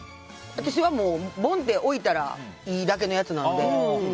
私はボンって置いたらいいだけのやつなので。